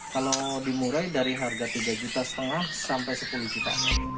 kalau di murai dari harga tiga lima juta sampai sepuluh juta